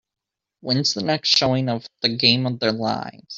Whens the next showing of The Game of Their Lives